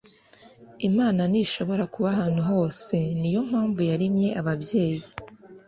imana ntishobora kuba ahantu hose niyo mpamvu yaremye ababyeyi